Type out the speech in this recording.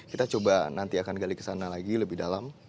kita coba nanti akan gali ke sana lagi lebih dalam